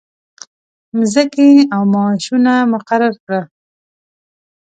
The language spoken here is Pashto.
مځکې او معاشونه مقرر کړل.